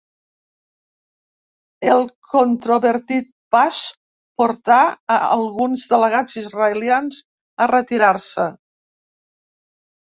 El controvertit pas portar a alguns delegats israelians a retirar-se.